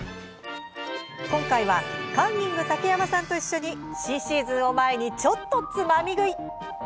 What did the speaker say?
今回はカンニング竹山さんと一緒に新シーズンを前にちょっとつまみ食い。